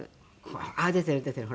あっ出てる出てる。